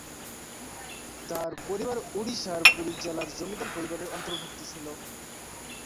তাঁর পরিবার ওড়িশার পুরী জেলার জমিদার পরিবারের অন্তর্ভুক্ত ছিল।